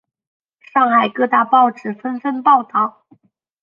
上海各大报纸纷纷报道。